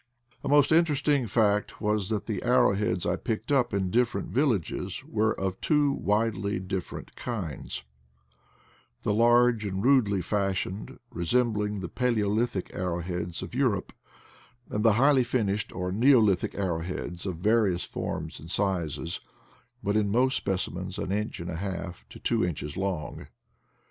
A most interesting fact was that the arrow heads I picked up in different villages were of two widely different kinds — the large and rudely fashioned, resembling the Palaeolithic arrow heads of Europe, and the highly finished, or Neolithic, arrow heads of various forms and sizes, but in most specimens an inch and a half to two inches long.